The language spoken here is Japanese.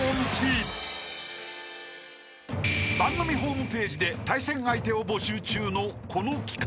［番組ホームページで対戦相手を募集中のこの企画］